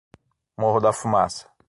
Morro da Fumaça